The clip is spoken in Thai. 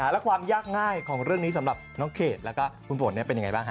แล้วความยากง่ายของเรื่องนี้สำหรับน้องเขตแล้วก็คุณฝนเป็นยังไงบ้าง